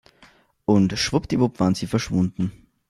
Und schwuppdiwupp waren sie verschwunden.